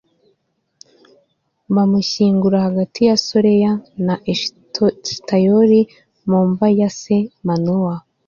bamushyingura hagati ya soreya na eshitayoli, mu mva ya se manowa